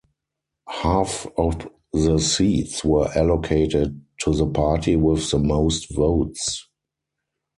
Half of the seats were allocated to the party with the most votes.